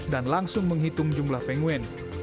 dan langsung menghitung jumlah penguin